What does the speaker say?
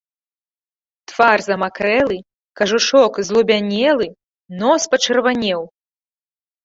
Твар замакрэлы, кажушок злубянелы, нос пачырванеў.